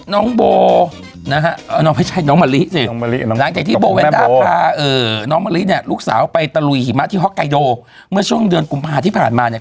น้องโบโบเวนต้าพาน้องมะลิลูกสาวไปตะลุยหิมะที่ฮอกไก้โดเมื่อช่วงเดือนกุมภาทที่ผ่านมาเนี่ย